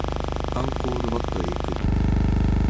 アンコールワットへ行く